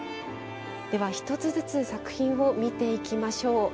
では、１つずつ作品を見ていきましょう。